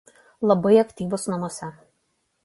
Labai aktyvūs namuose.